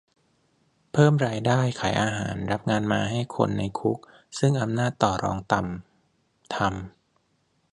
เพิ่มรายได้ ขายอาหาร รับงานมาให้คนในคุกซึ่งอำนาจต่อรองต่ำทำ